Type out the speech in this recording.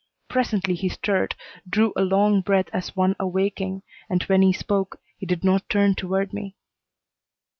Presently he stirred, drew a long breath as one awaking, but when he spoke he did not turn toward me.